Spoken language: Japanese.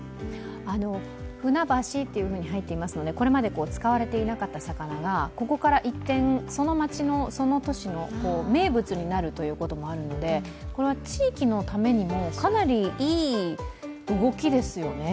船橋っていうふうに入っていますのでこれまで使われていなかった魚がここから一転、その町のその都市の名物になるということもあるのでこれは地域のためにもかなりいい動きですよね。